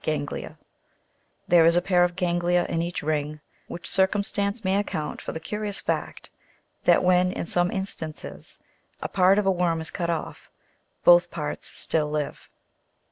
ganglia; there is a pair of ganglia in each ring, which circum stance may account for the curious fact, that when, in some instances, a part of a worm is cut off, both parts still live.